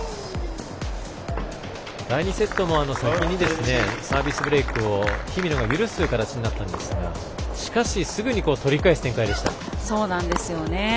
第２セットも先にサービスブレークを日比野が許す形になったんですがしかしすぐに取り返す展開でした。